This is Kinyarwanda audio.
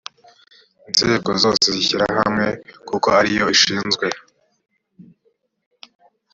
nzego zose z ishyirahamwe kuko ariyo ishinzwe